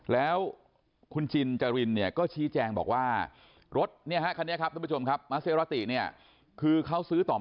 แล้วคุณจินจริงเนี่ยก็ชี้แจงบอกว่า